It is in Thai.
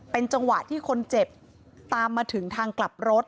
เป็นจังหวะที่คนเจ็บตามมาถึงทางกลับรถ